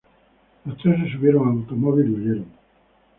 Los tres se subieron al automóvil y huyeron.